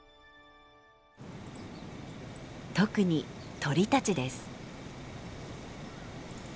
特に鳥たちです。